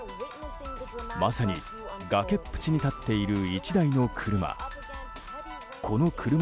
まさに、崖っぷちに立っている１台の車。